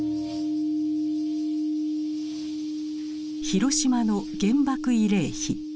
広島の原爆慰霊碑。